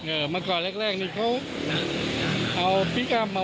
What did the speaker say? เออที่กดที่ไหนก็ได้แหละ